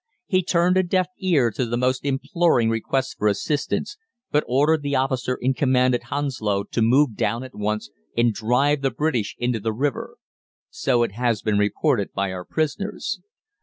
"He turned a deaf ear to the most imploring requests for assistance, but ordered the officer in command at Hounslow to move down at once and drive the British into the river. So it has been reported by our prisoners.